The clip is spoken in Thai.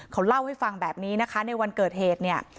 เขาเล่าให้ฟังแบบนี้นะคะในวันเกิดเหตุเนี่ย